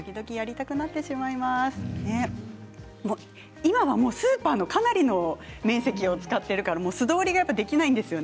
今はスーパーのかなりの面積を使っているから素通りできないんですよね。